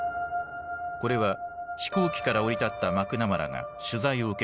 これは飛行機から降り立ったマクナマラが取材を受ける映像。